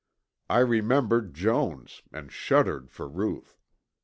I remembered Jones, and shuddered for Ruth.